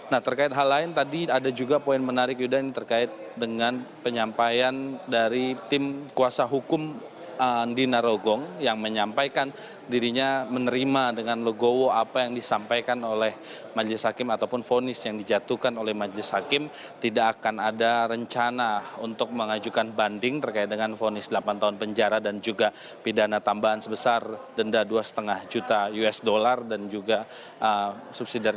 nah terkait hal lain tadi ada juga poin menarik yudha ini terkait dengan penyampaian dari tim kuasa hukum andi narogong yang menyampaikan dirinya menerima dengan logowo apa yang disampaikan oleh majelis hakim ataupun fonis yang dijatuhkan oleh majelis hakim tidak akan ada rencana untuk mengajukan banding terkait dengan fonis delapan tahun penjara dan juga pidana tambahan sebesar denda dua lima juta rupiah